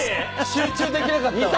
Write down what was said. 集中できなかったわ。